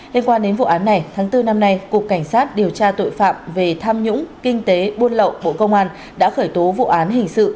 liên quan đến vụ án này tháng bốn năm nay cục cảnh sát điều tra tội phạm về tham nhũng kinh tế buôn lậu bộ công an đã khởi tố vụ án hình sự